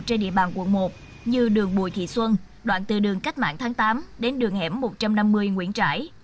trên địa bàn quận một như đường bùi thị xuân đoạn từ đường cách mạng tháng tám đến đường hẻm một trăm năm mươi nguyễn trãi